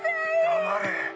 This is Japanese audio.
黙れ。